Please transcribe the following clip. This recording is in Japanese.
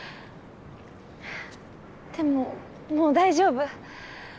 でももう大丈夫。